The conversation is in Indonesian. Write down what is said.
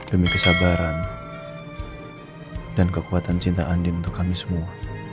demi kesabaran dan kekuatan cinta andin untuk kami semua